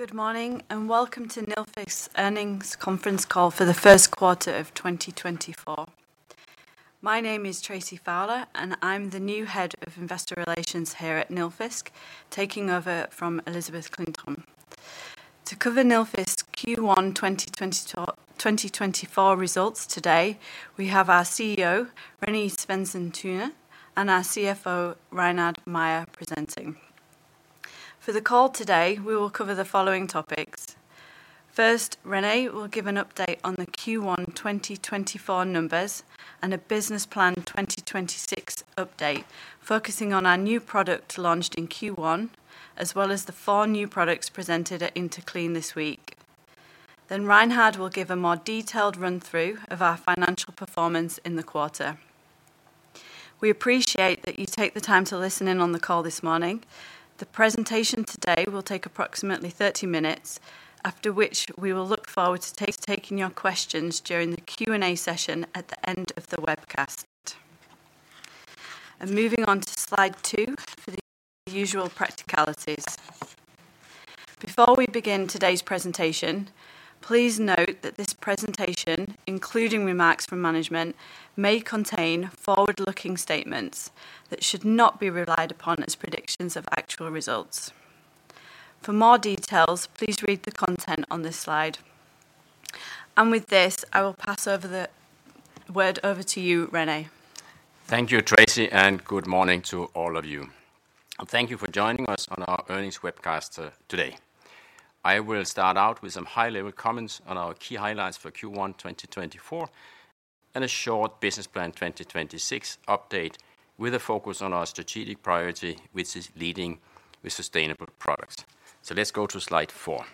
Good morning and welcome to Nilfisk Earnings Conference Call for the first quarter of 2024. My name is Tracy Fowler, and I'm the new head of Investor Relations here at Nilfisk, taking over from Elisabeth Klintholm. To cover Nilfisk Q1 2024 results today, we have our CEO, René Svendsen-Tune, and our CFO, Reinhard Mayer, presenting. For the call today, we will cover the following topics. First, René will give an update on the Q1 2024 numbers and a Business Plan 2026 update, focusing on our new product launched in Q1 as well as the four new products presented at Interclean this week. Then Reinhard will give a more detailed run-through of our financial performance in the quarter. We appreciate that you take the time to listen in on the call this morning. The presentation today will take approximately 30 minutes, after which we will look forward to taking your questions during the Q&A session at the end of the webcast. Moving on to slide two for the usual practicalities. Before we begin today's presentation, please note that this presentation, including remarks from management, may contain forward-looking statements that should not be relied upon as predictions of actual results. For more details, please read the content on this slide. With this, I will pass the word over to you, René. Thank you, Tracy, and good morning to all of you. Thank you for joining us on our earnings webcast today. I will start out with some high-level comments on our key highlights for Q1 2024 and a short Business Plan 2026 update with a focus on our strategic priority, which is leading with sustainable products. So let's go to slide four.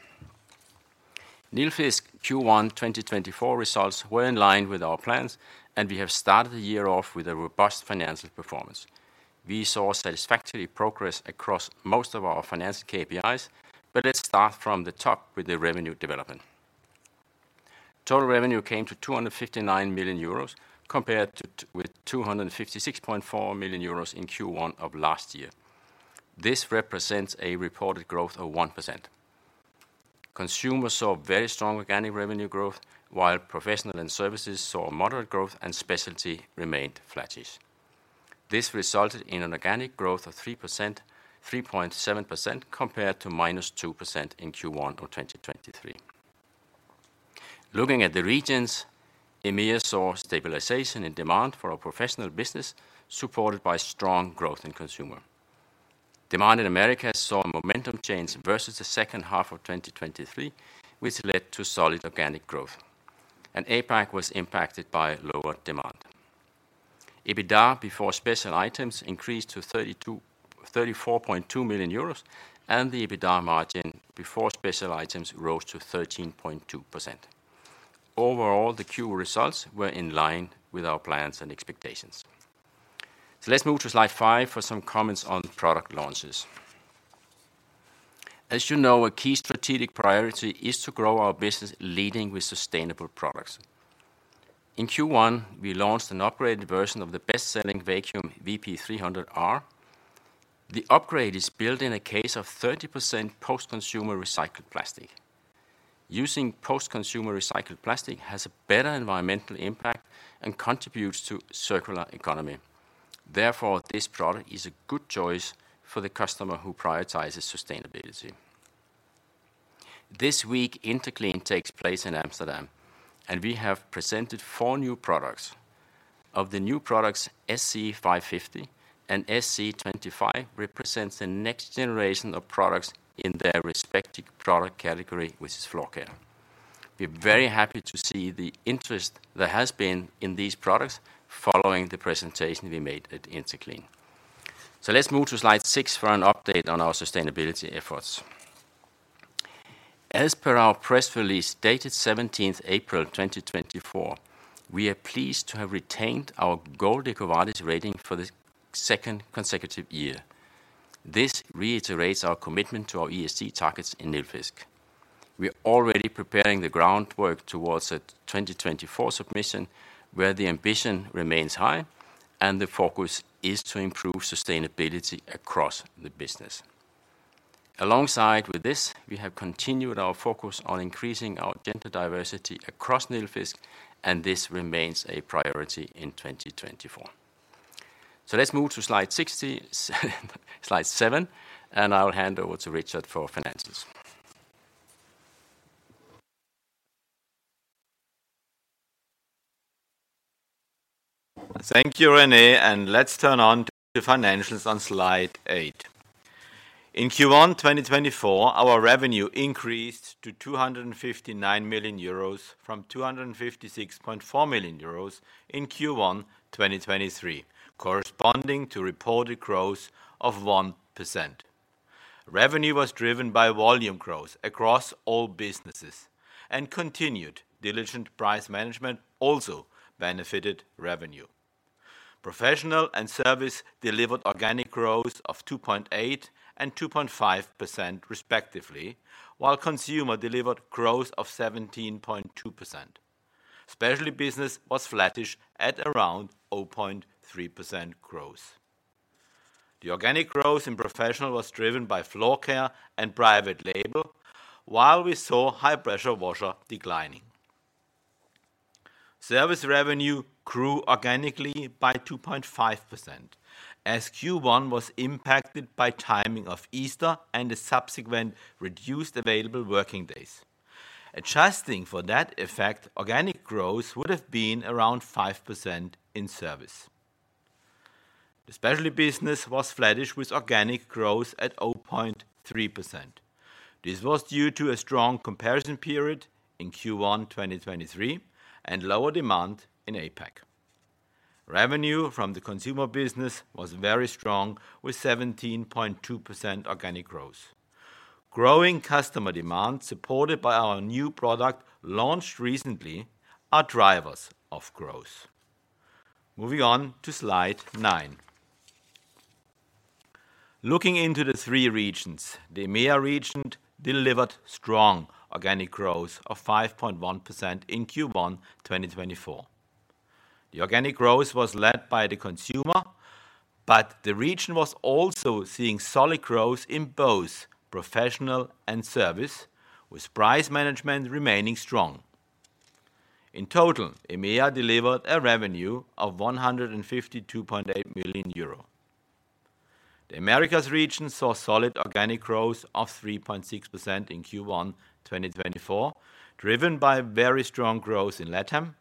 Nilfisk Q1 2024 results were in line with our plans, and we have started the year off with a robust financial performance. We saw satisfactory progress across most of our financial KPIs, but let's start from the top with the revenue development. Total revenue came to 259 million euros compared with 256.4 million euros in Q1 of last year. This represents a reported growth of 1%. Consumers saw very strong organic revenue growth, while professional and services saw moderate growth and specialty remained flattish. This resulted in an organic growth of 3.7% compared to -2% in Q1 of 2023. Looking at the regions, EMEA saw stabilization in demand for our professional business supported by strong growth in consumer. Demand in Americas saw a momentum change versus the second half of 2023, which led to solid organic growth. APAC was impacted by lower demand. EBITDA before special items increased to 34.2 million euros, and the EBITDA margin before special items rose to 13.2%. Overall, the Q results were in line with our plans and expectations. So let's move to slide five for some comments on product launches. As you know, a key strategic priority is to grow our business leading with sustainable products. In Q1, we launched an upgraded version of the best-selling vacuum VP300R. The upgrade is built in a case of 30% post-consumer recycled plastic. Using post-consumer recycled plastic has a better environmental impact and contributes to a circular economy. Therefore, this product is a good choice for the customer who prioritizes sustainability. This week, Interclean takes place in Amsterdam, and we have presented four new products. Of the new products, SC550 and SC25 represent the next generation of products in their respective product category, which is floor care. We're very happy to see the interest there has been in these products following the presentation we made at Interclean. Let's move to slide six for an update on our sustainability efforts. As per our press release dated 17 April 2024, we are pleased to have retained our Gold EcoVadis rating for the second consecutive year. This reiterates our commitment to our ESG targets in Nilfisk. We're already preparing the groundwork towards a 2024 submission, where the ambition remains high and the focus is to improve sustainability across the business. Alongside with this, we have continued our focus on increasing our gender diversity across Nilfisk, and this remains a priority in 2024. Let's move to slide seven, and I will hand over to Reinhard for financials. Thank you, René. And let's turn on to Financials on slide eight. In Q1 2024, our revenue increased to 259 million euros from 256.4 million euros in Q1 2023, corresponding to reported growth of 1%. Revenue was driven by volume growth across all businesses, and continued diligent price management also benefited revenue. Professional and service delivered organic growth of 2.8% and 2.5%, respectively, while consumer delivered growth of 17.2%. Specialty business was flattish at around 0.3% growth. The organic growth in professional was driven by floor care and private label, while we saw high-pressure washer declining. Service revenue grew organically by 2.5%, as Q1 was impacted by timing of Easter and the subsequent reduced available working days. Adjusting for that effect, organic growth would have been around 5% in service. The specialty business was flattish with organic growth at 0.3%. This was due to a strong comparison period in Q1 2023 and lower demand in APAC. Revenue from the consumer business was very strong, with 17.2% organic growth. Growing customer demand, supported by our new product launched recently, are drivers of growth. Moving on to slide nine. Looking into the three regions, the EMEA region delivered strong organic growth of 5.1% in Q1 2024. The organic growth was led by the consumer, but the region was also seeing solid growth in both professional and service, with price management remaining strong. In total, EMEA delivered a revenue of 152.8 million euro. The Americas region saw solid organic growth of 3.6% in Q1 2024, driven by very strong growth in LATAM,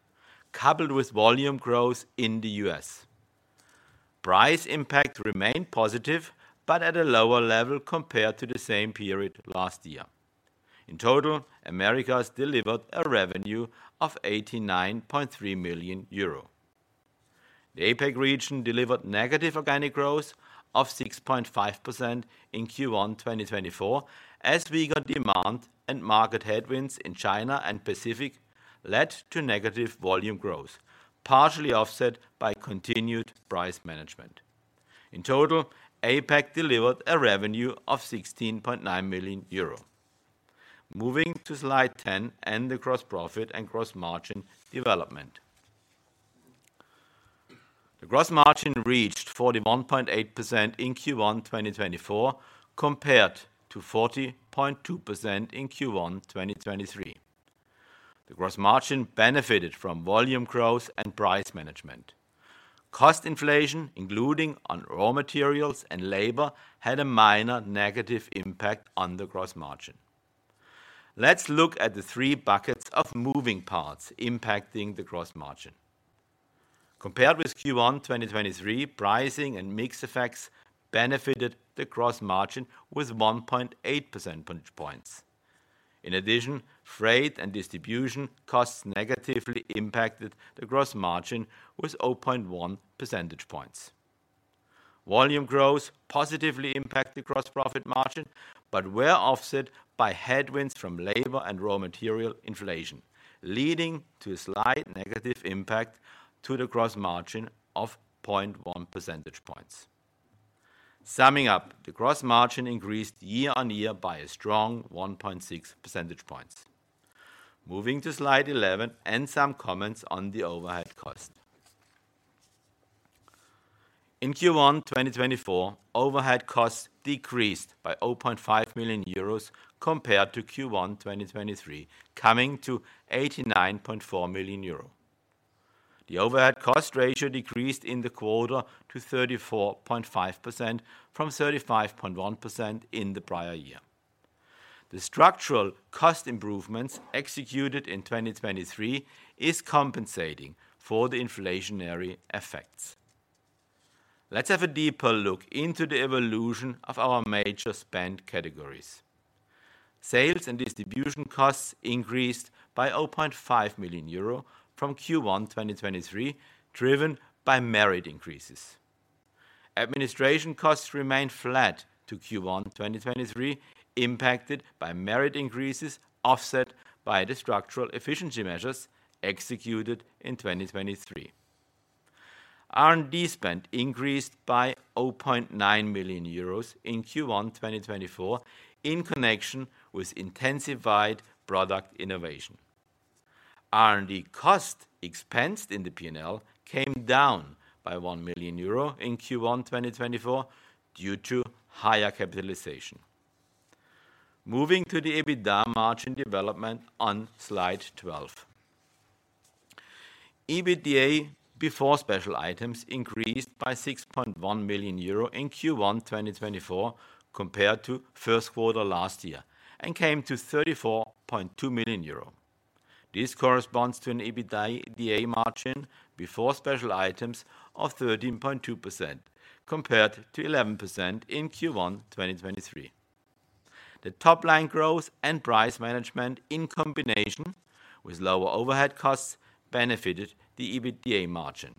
coupled with volume growth in the U.S. Price impact remained positive, but at a lower level compared to the same period last year. In total, Americas delivered a revenue of 89.3 million euro. The APAC region delivered negative organic growth of 6.5% in Q1 2024, as weaker demand and market headwinds in China and the Pacific led to negative volume growth, partially offset by continued price management. In total, APAC delivered a revenue of 16.9 million euro. Moving to slide 10 and the gross profit and gross margin development. The gross margin reached 41.8% in Q1 2024 compared to 40.2% in Q1 2023. The gross margin benefited from volume growth and price management. Cost inflation, including on raw materials and labor, had a minor negative impact on the gross margin. Let's look at the three buckets of moving parts impacting the gross margin. Compared with Q1 2023, pricing and mixed effects benefited the gross margin with 1.8 percentage points. In addition, freight and distribution costs negatively impacted the gross margin with 0.1 percentage points. Volume growth positively impacted the gross profit margin, but were offset by headwinds from labor and raw material inflation, leading to a slight negative impact to the gross margin of 0.1 percentage points. Summing up, the gross margin increased year-on-year by a strong 1.6 percentage points. Moving to slide 11 and some comments on the overhead costs. In Q1 2024, overhead costs decreased by 0.5 million euros compared to Q1 2023, coming to 89.4 million euros. The overhead cost ratio decreased in the quarter to 34.5% from 35.1% in the prior year. The structural cost improvements executed in 2023 are compensating for the inflationary effects. Let's have a deeper look into the evolution of our major spend categories. Sales and distribution costs increased by 0.5 million euro from Q1 2023, driven by merit increases. Administration costs remained flat to Q1 2023, impacted by merit increases offset by the structural efficiency measures executed in 2023. R&D spend increased by 0.9 million euros in Q1 2024 in connection with intensified product innovation. R&D cost expense in the P&L came down by 1 million euro in Q1 2024 due to higher capitalization. Moving to the EBITDA margin development on slide 12. EBITDA before special items increased by 6.1 million euro in Q1 2024 compared to first quarter last year and came to 34.2 million euro. This corresponds to an EBITDA margin before special items of 13.2% compared to 11% in Q1 2023. The top-line growth and price management in combination with lower overhead costs benefited the EBITDA margin,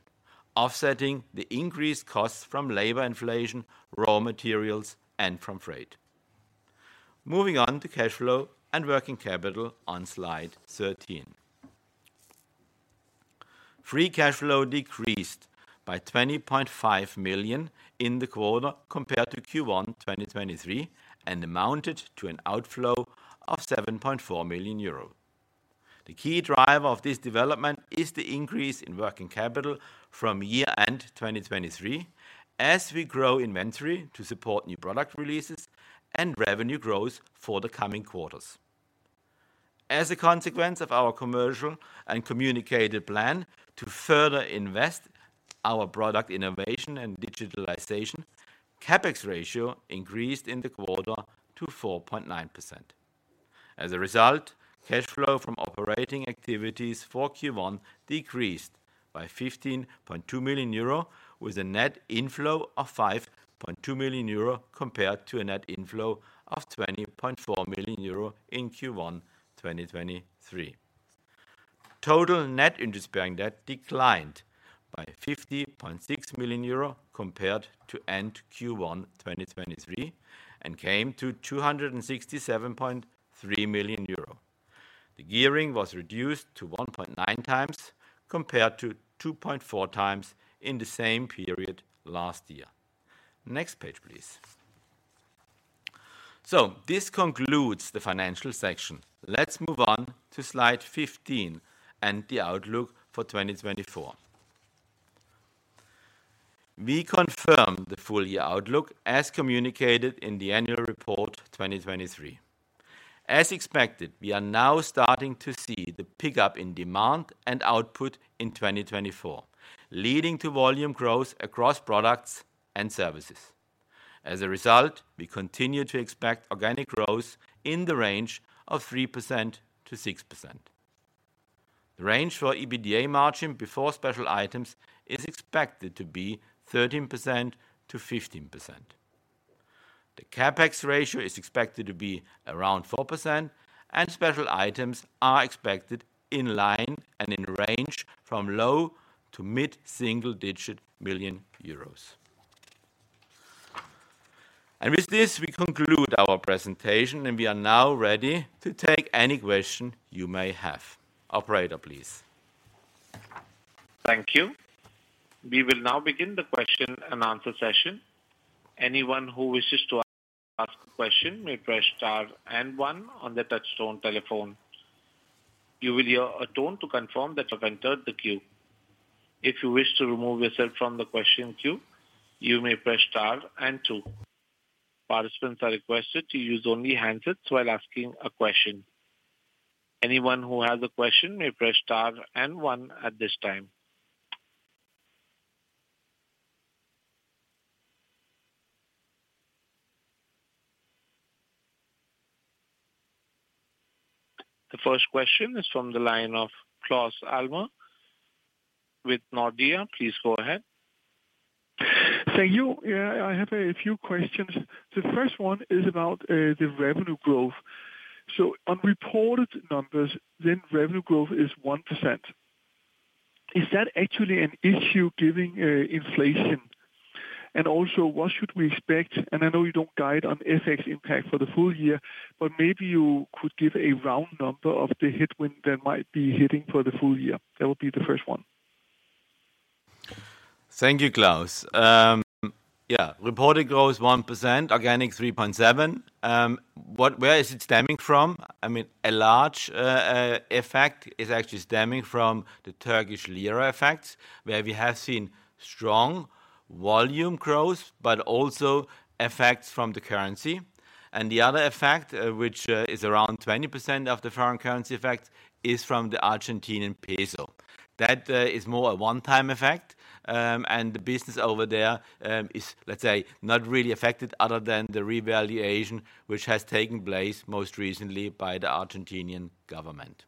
offsetting the increased costs from labor inflation, raw materials, and from freight. Moving on to cash flow and working capital on slide 13. Free cash flow decreased by 20.5 million in the quarter compared to Q1 2023 and amounted to an outflow of 7.4 million euro. The key driver of this development is the increase in working capital from year-end 2023, as we grow inventory to support new product releases and revenue growth for the coming quarters. As a consequence of our commercial and communicated plan to further invest our product innovation and digitalization, the CAPEX ratio increased in the quarter to 4.9%. As a result, cash flow from operating activities for Q1 decreased by 15.2 million euro, with a net inflow of 5.2 million euro compared to a net inflow of 20.4 million euro in Q1 2023. Total net interest bearing debt declined by 50.6 million euro compared to end Q1 2023 and came to 267.3 million euro. The gearing was reduced to 1.9 times compared to 2.4 times in the same period last year. Next page, please. So this concludes the financial section. Let's move on to slide 15 and the outlook for 2024. We confirm the full-year outlook as communicated in the annual report 2023. As expected, we are now starting to see the pickup in demand and output in 2024, leading to volume growth across products and services. As a result, we continue to expect organic growth in the range of 3%-6%. The range for EBITDA margin before special items is expected to be 13%-15%. The CAPEX ratio is expected to be around 4%, and special items are expected in line and in range from low- to mid-single-digit million EUR. With this, we conclude our presentation, and we are now ready to take any question you may have. Operator, please. Thank you. We will now begin the question and answer session. Anyone who wishes to ask a question may press star and one on the touch-tone telephone. You will hear a tone to confirm that you have entered the queue. If you wish to remove yourself from the question queue, you may press star and two. Participants are requested to use only handsets while asking a question. Anyone who has a question may press star and one at this time. The first question is from the line of Claus Almer with Nordea. Please go ahead. Thank you. Yeah, I have a few questions. The first one is about the revenue growth. So on reported numbers, then revenue growth is 1%. Is that actually an issue given inflation? And also, what should we expect? And I know you don't guide on FX impact for the full year, but maybe you could give a round number of the headwind that might be hitting for the full year. That would be the first one. Thank you, Claus. Yeah, reported growth 1%, organic 3.7%. Where is it stemming from? I mean, a large effect is actually stemming from the Turkish lira effects, where we have seen strong volume growth but also effects from the currency. And the other effect, which is around 20% of the foreign currency effect, is from the Argentine peso. That is more a one-time effect, and the business over there is, let's say, not really affected other than the revaluation, which has taken place most recently by the Argentine government.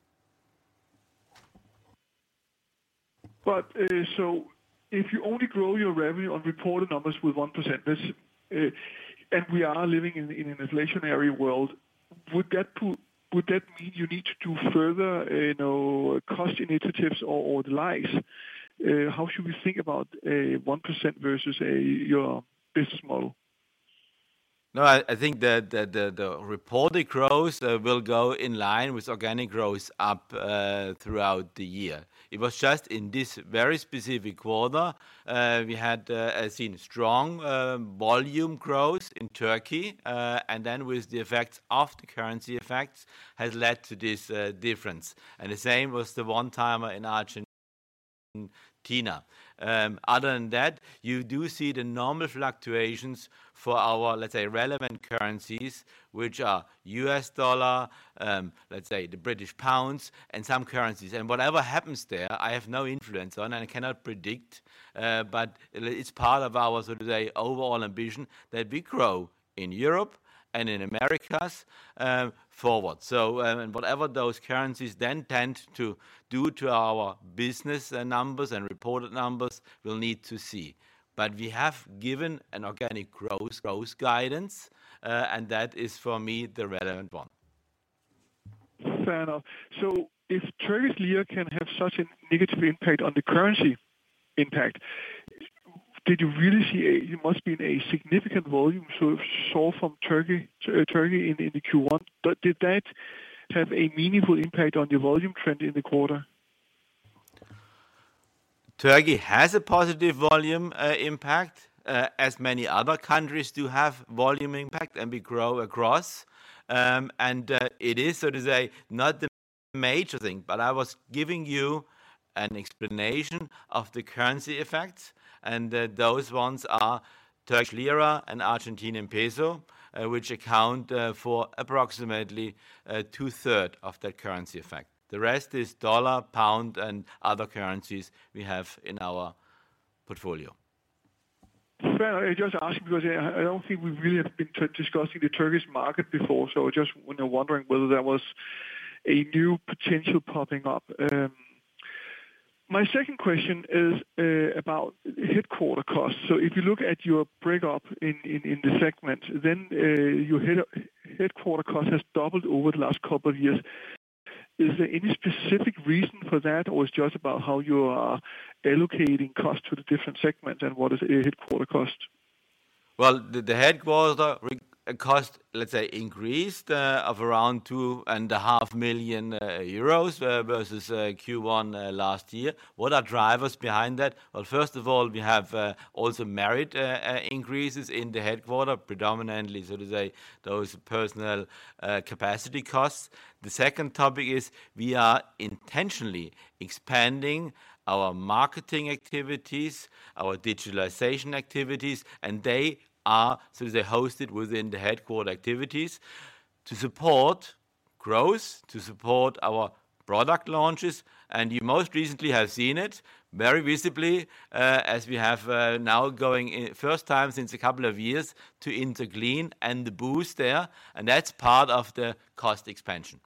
So if you only grow your revenue on reported numbers with 1% and we are living in an inflationary world, would that mean you need to do further cost initiatives or the likes? How should we think about 1% versus your business model? No, I think that the reported growth will go in line with organic growth up throughout the year. It was just in this very specific quarter we had seen strong volume growth in Turkey, and then with the effects of the currency effects has led to this difference. The same was the one-timer in Argentina. Other than that, you do see the normal fluctuations for our, let's say, relevant currencies, which are U.S. dollar, let's say, the British pound, and some currencies. Whatever happens there, I have no influence on and cannot predict, but it's part of our, so to say, overall ambition that we grow in Europe and in Americas forward. Whatever those currencies then tend to do to our business numbers and reported numbers, we'll need to see. We have given an organic growth guidance, and that is, for me, the relevant one. Fair enough. So if the Turkish lira can have such a negative impact on the currency impact, did you really see a significant volume sourced from Turkey in the Q1? Did that have a meaningful impact on your volume trend in the quarter? Turkey has a positive volume impact, as many other countries do have volume impact and we grow across. It is, so to say, not the major thing. But I was giving you an explanation of the currency effects, and those ones are Turkish lira and Argentinian peso, which account for approximately two-thirds of that currency effect. The rest is dollar, pound, and other currencies we have in our portfolio. Fair enough. I just asked because I don't think we really have been discussing the Turkish market before, so I just wondering whether there was a new potential popping up. My second question is about headquarters costs. So if you look at your breakup in the segments, then your headquarters cost has doubled over the last couple of years. Is there any specific reason for that, or is it just about how you are allocating costs to the different segments and what is headquarters cost? Well, the headquarters cost, let's say, increased of around 2.5 million euros versus Q1 last year. What are drivers behind that? Well, first of all, we have also merit increases in the headquarters, predominantly, so to say, those personnel capacity costs. The second topic is we are intentionally expanding our marketing activities, our digitalization activities, and they are, so to say, hosted within the headquarters activities to support growth, to support our product launches. And you most recently have seen it very visibly, as we have now going first time since a couple of years to Interclean and the booth there. And that's part of the cost expansion.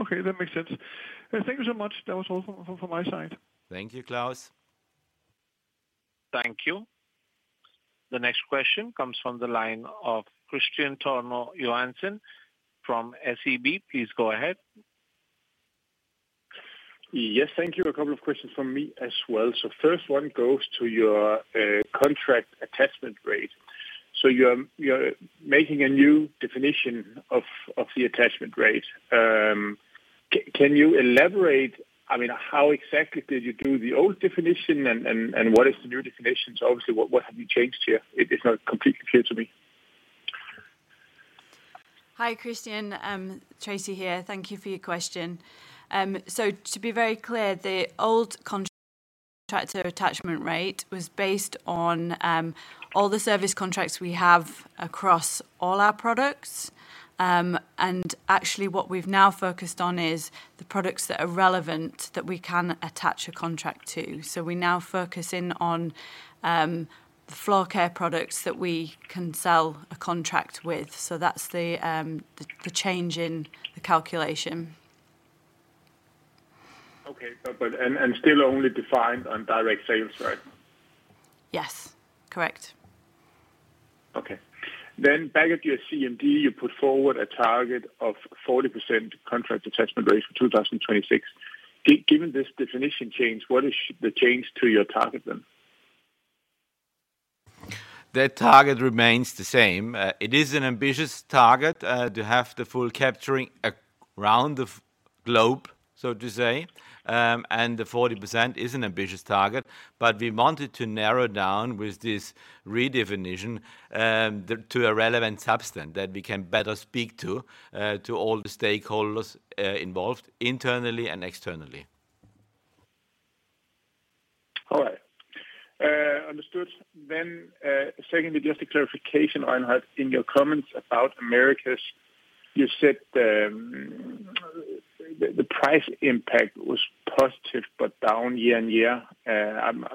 Okay. That makes sense. Thank you so much. That was all from my side. Thank you, Claus. Thank you. The next question comes from the line of Kristian Tornøe Johansen from SEB. Please go ahead. Yes. Thank you. A couple of questions from me as well. So first one goes to your contract attachment rate. So you're making a new definition of the attachment rate. Can you elaborate? I mean, how exactly did you do the old definition and what is the new definition? So obviously, what have you changed here? It's not completely clear to me. Hi, Kristian. Tracy here. Thank you for your question. So to be very clear, the old contract attachment rate was based on all the service contracts we have across all our products. And actually, what we've now focused on is the products that are relevant that we can attach a contract to. So we now focus in on the floor care products that we can sell a contract with. So that's the change in the calculation. Okay. But still only defined on direct sales, right? Yes. Correct. Okay. Then back at your CMD, you put forward a target of 40% contract attachment rate for 2026. Given this definition change, what is the change to your target then? The target remains the same. It is an ambitious target to have the full capturing around the globe, so to say. And the 40% is an ambitious target. But we wanted to narrow down with this redefinition to a relevant substance that we can better speak to, to all the stakeholders involved internally and externally. All right. Understood. Then secondly, just a clarification, Reinhard, in your comments about Americas, you said the price impact was positive but down year-over-year. I'm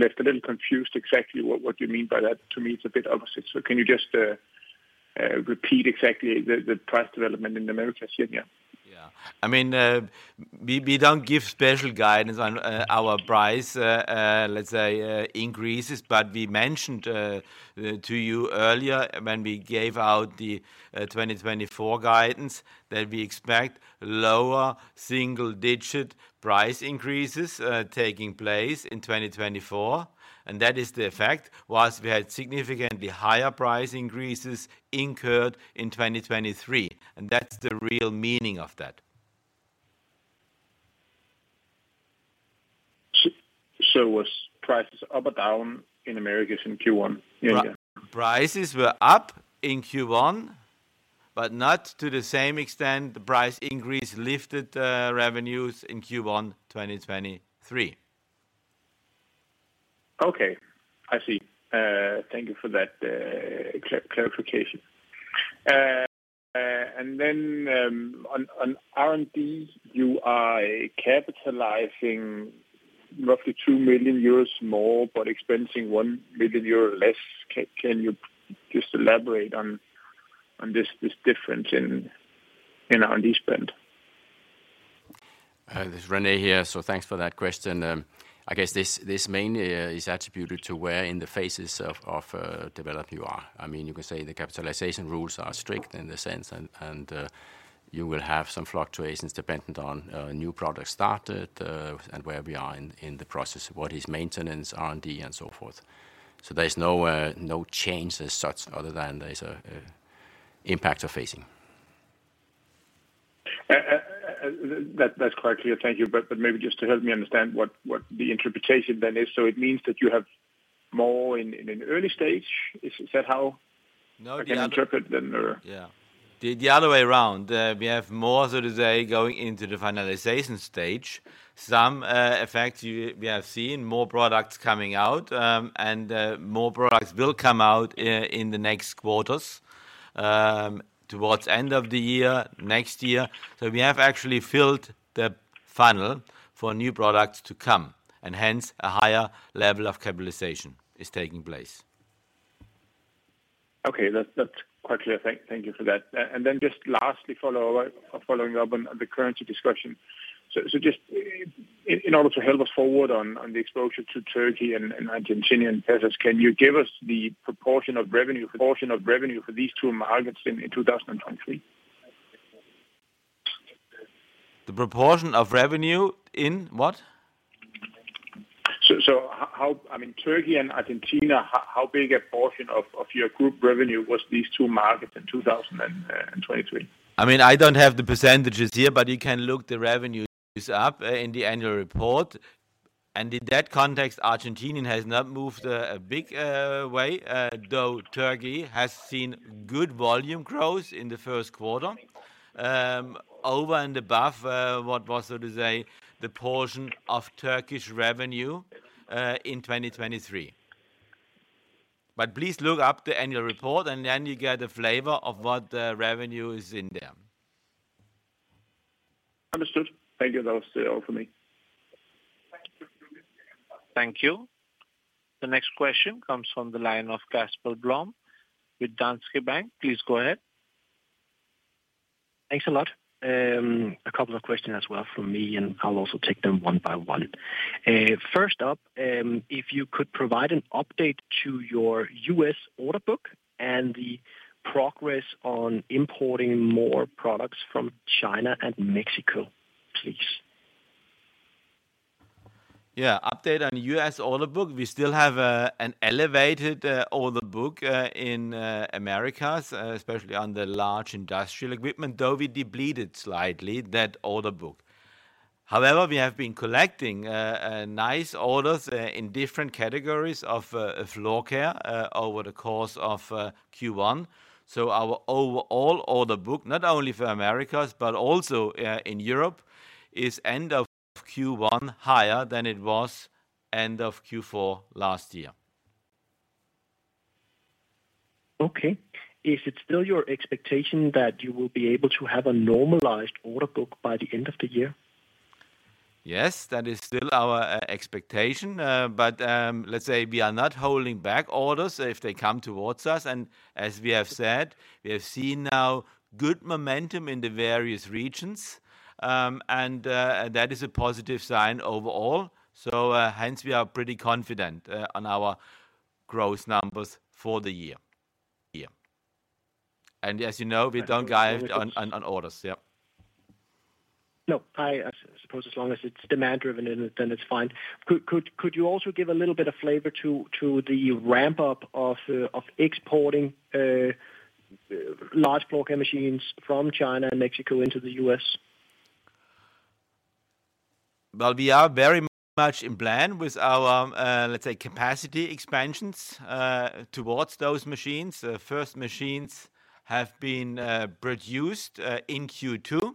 left a little confused exactly what you mean by that. To me, it's a bit opposite. So can you just repeat exactly the price development in Americas here and there? Yeah. I mean, we don't give special guidance on our price, let's say, increases. But we mentioned to you earlier when we gave out the 2024 guidance that we expect lower single-digit price increases taking place in 2024. And that is the effect, whilst we had significantly higher price increases incurred in 2023. And that's the real meaning of that. Was prices up or down in Americas in Q1? Prices were up in Q1, but not to the same extent the price increase lifted revenues in Q1 2023. Okay. I see. Thank you for that clarification. Then on R&D, you are capitalizing roughly 2 million euros more but expensing 1 million euro less. Can you just elaborate on this difference in R&D spend? This is René here. So thanks for that question. I guess this mainly is attributed to where in the phases of development you are. I mean, you can say the capitalization rules are strict in the sense, and you will have some fluctuations dependent on new products started and where we are in the process, what is maintenance, R&D, and so forth. So there's no change as such other than there's an impact you're facing. That's quite clear. Thank you. But maybe just to help me understand what the interpretation then is. So it means that you have more in an early stage. Is that how I can interpret then, or? Yeah. The other way around. We have more, so to say, going into the finalization stage. Some effects we have seen, more products coming out, and more products will come out in the next quarters, towards the end of the year, next year. So we have actually filled the funnel for new products to come. And hence, a higher level of capitalization is taking place. Okay. That's quite clear. Thank you for that. And then just lastly, following up on the currency discussion. So just in order to help us forward on the exposure to Turkey and Argentine pesos, can you give us the proportion of revenue for these two markets in 2023? The proportion of revenue in what? I mean, Turkey and Argentina, how big a portion of your group revenue was these two markets in 2023? I mean, I don't have the percentages here, but you can look the revenues up in the annual report. In that context, Argentina has not moved a big way, though Turkey has seen good volume growth in the first quarter, over and above what was, so to say, the portion of Turkish revenue in 2023. Please look up the annual report, and then you get a flavor of what the revenue is in there. Understood. Thank you. That was all from me. Thank you. The next question comes from the line of Casper Blom with Danske Bank. Please go ahead. Thanks a lot. A couple of questions as well from me, and I'll also take them one by one. First up, if you could provide an update to your U.S. order book and the progress on importing more products from China and Mexico, please? Yeah. Update on U.S. order book. We still have an elevated order book in Americas, especially on the large industrial equipment, though we depleted slightly that order book. However, we have been collecting nice orders in different categories of floor care over the course of Q1. So our overall order book, not only for Americas but also in Europe, is end of Q1 higher than it was end of Q4 last year. Okay. Is it still your expectation that you will be able to have a normalized order book by the end of the year? Yes. That is still our expectation. But let's say we are not holding back orders if they come towards us. And as we have said, we have seen now good momentum in the various regions, and that is a positive sign overall. So hence, we are pretty confident on our growth numbers for the year. Year. And as you know, we don't guide on orders. Yeah. No. I suppose as long as it's demand-driven, then it's fine. Could you also give a little bit of flavor to the ramp-up of exporting large floor care machines from China and Mexico into the U.S.? Well, we are very much in plan with our, let's say, capacity expansions towards those machines. The first machines have been produced in Q2.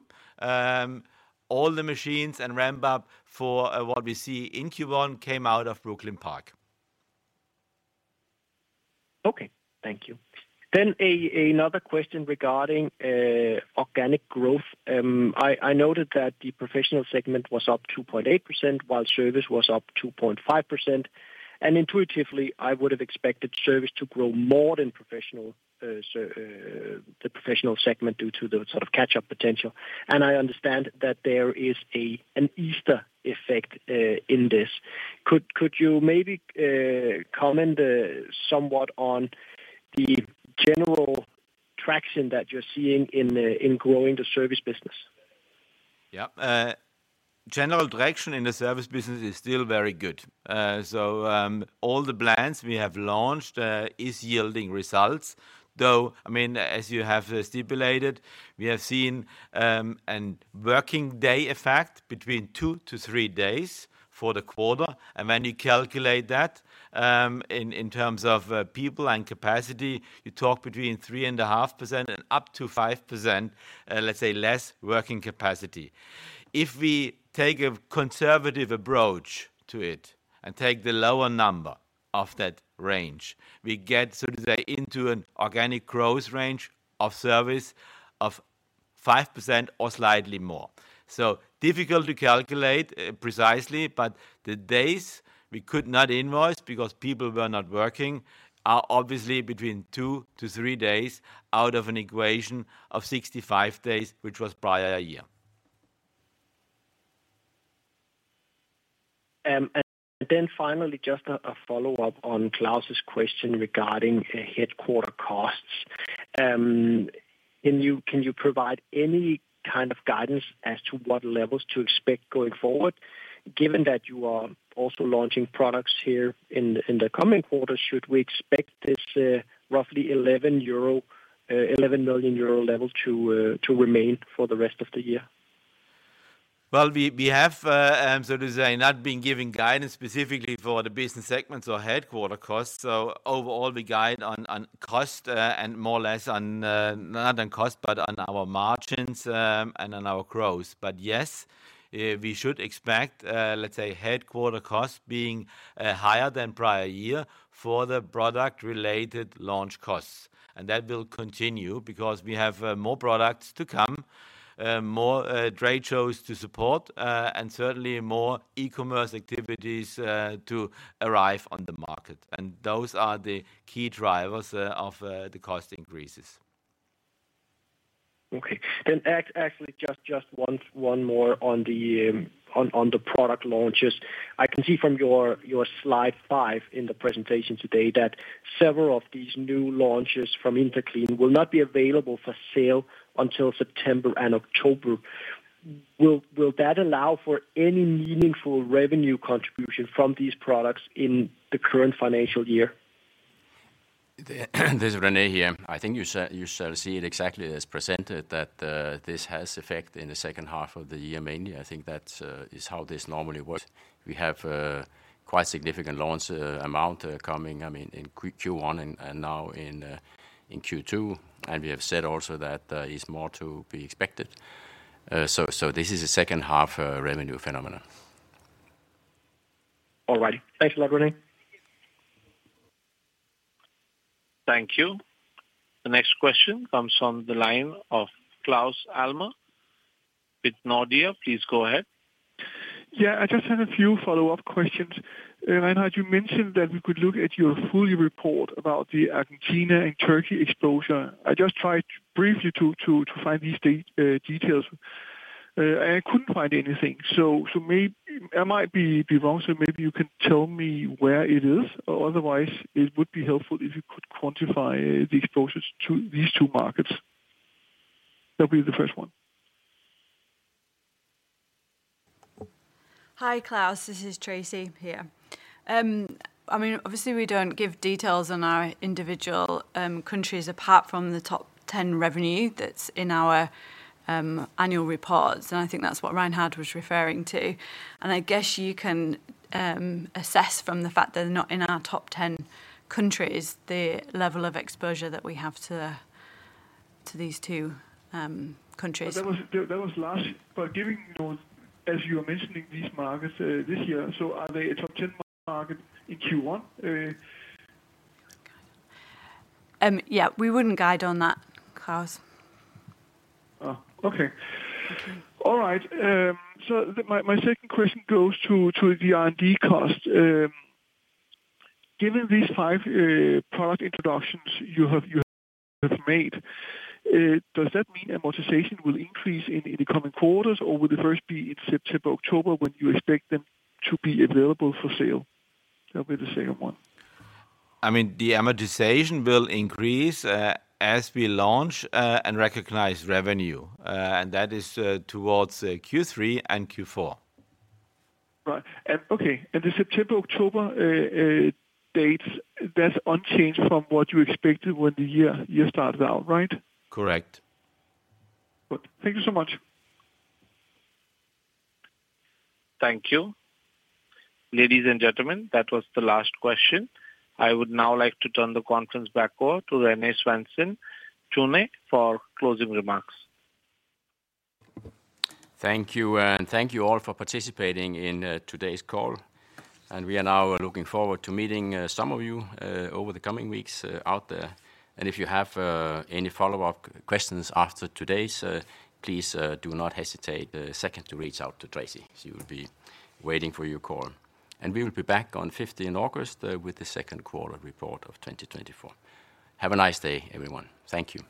All the machines and ramp-up for what we see in Q1 came out of Brooklyn Park. Okay. Thank you. Then another question regarding organic growth. I noted that the professional segment was up 2.8%, while service was up 2.5%. And intuitively, I would have expected service to grow more than the professional segment due to the sort of catch-up potential. And I understand that there is an Easter effect in this. Could you maybe comment somewhat on the general traction that you're seeing in growing the service business? Yeah. General traction in the service business is still very good. So all the plans we have launched are yielding results. Though, I mean, as you have stipulated, we have seen a working-day effect between 2-3 days for the quarter. And when you calculate that in terms of people and capacity, you talk between 3.5% and up to 5%, let's say, less working capacity. If we take a conservative approach to it and take the lower number of that range, we get, so to say, into an organic growth range of service of 5% or slightly more. So difficult to calculate precisely. But the days we could not invoice because people were not working are obviously between 2-3 days out of an equation of 65 days, which was prior year. Then finally, just a follow-up on Claus's question regarding headquarters costs. Can you provide any kind of guidance as to what levels to expect going forward? Given that you are also launching products here in the coming quarter, should we expect this roughly 11 million euro level to remain for the rest of the year? Well, we have, so to say, not been giving guidance specifically for the business segments or headquarter costs. Overall, we guide on cost and more or less not on cost but on our margins and on our growth. Yes, we should expect, let's say, headquarter costs being higher than prior year for the product-related launch costs. That will continue because we have more products to come, more trade shows to support, and certainly more e-commerce activities to arrive on the market. Those are the key drivers of the cost increases. Okay. Then actually, just one more on the product launches. I can see from your slide 5 in the presentation today that several of these new launches from Interclean will not be available for sale until September and October. Will that allow for any meaningful revenue contribution from these products in the current financial year? This is René here. I think you shall see it exactly as presented, that this has effect in the second half of the year mainly. I think that is how this normally works. We have quite significant launch amount coming, I mean, in Q1 and now in Q2. And we have said also that is more to be expected. So this is a second-half revenue phenomenon. All righty. Thanks a lot, René. Thank you. The next question comes from the line of Claus Almer with Nordea. Please go ahead. Yeah. I just had a few follow-up questions. Reinhard, you mentioned that we could look at your full report about the Argentina and Turkey exposure. I just tried briefly to find these details, and I couldn't find anything. So I might be wrong, so maybe you can tell me where it is. Otherwise, it would be helpful if you could quantify the exposures to these two markets. That will be the first one. Hi, Claus. This is Tracy here. I mean, obviously, we don't give details on our individual countries apart from the top 10 revenue that's in our annual reports. I think that's what Reinhard was referring to. I guess you can assess from the fact they're not in our top 10 countries the level of exposure that we have to these two countries. But that was last. But given as you are mentioning these markets this year, so are they a top 10 market in Q1? Yeah. We wouldn't guide on that, Claus. Oh, okay. All right. So my second question goes to the R&D cost. Given these five product introductions you have made, does that mean amortization will increase in the coming quarters, or will the first be in September, October when you expect them to be available for sale? That will be the second one. I mean, the amortization will increase as we launch and recognize revenue. That is towards Q3 and Q4. Right. Okay. And the September, October dates, that's unchanged from what you expected when the year started out, right? Correct. Good. Thank you so much. Thank you. Ladies and gentlemen, that was the last question. I would now like to turn the conference back over to René Svendsen-Tune for closing remarks. Thank you. Thank you all for participating in today's call. We are now looking forward to meeting some of you over the coming weeks out there. If you have any follow-up questions after today's, please do not hesitate a second to reach out to Tracy. She will be waiting for your call. We will be back on 15 August with the second quarter report of 2024. Have a nice day, everyone. Thank you.